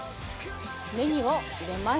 ネギを入れます。